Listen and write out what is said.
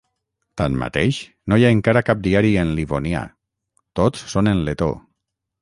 Tanmateix, no hi ha encara cap diari en livonià, tots són en letó.